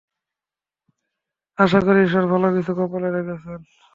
আশা করি ঈশ্বর ভালো কিছুই কপালে রেখেছেন।